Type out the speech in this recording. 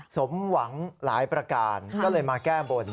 สมหวังหลายประการก็เลยมาแก้บน